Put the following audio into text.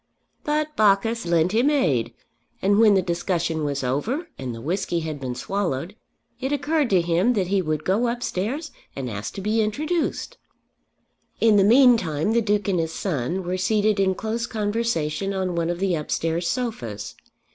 But Bacchus lent him aid, and when the discussion was over and the whisky had been swallowed, it occurred to him that he would go upstairs and ask to be introduced. In the meantime the Duke and his son were seated in close conversation on one of the upstairs sofas.